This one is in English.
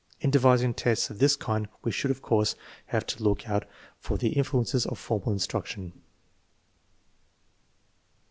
In de vising tests of this kind we should, of course, have to look out for the influences of formal instruction.